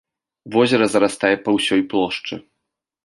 Возера зарастае па ўсёй плошчы.